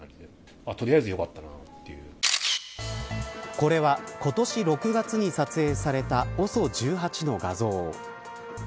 これは今年６月に撮影されたＯＳＯ１８の画像。